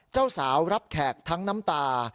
เจ้าสาวรับแขกทั้งน้ำตา